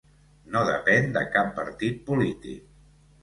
No depèn de cap partit polític.